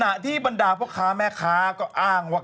ขณะที่บรรดาพ่อค้าแม่ค้าก็อ้างว่า